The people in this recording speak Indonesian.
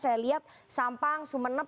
saya lihat sampang sumeneb